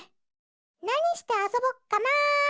なにしてあそぼっかな？